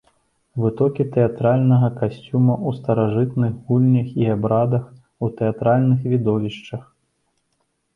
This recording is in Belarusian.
Вытокі тэатральнага касцюма ў старажытных гульнях і абрадах, у тэатральных відовішчах.